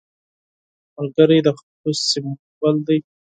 ملګری د خلوص سمبول دی